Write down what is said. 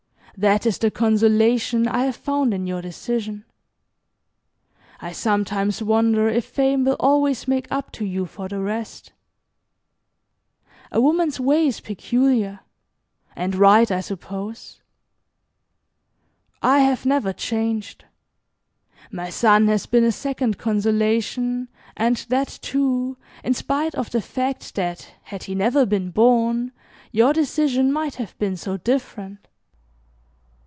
That is the consolation I have found in your decision. I sometimes wonder if Fame will always make up to you for the rest. A woman's way is peculiar and right, I suppose. I have never changed. My son has been a second consolation, and that, too, in spite of the fact that, had he never been born, your decision might have been so different.